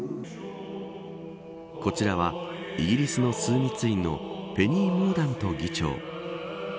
こちらはイギリスの枢密院のペニー・モーダント議長。